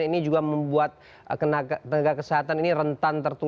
nah stripes to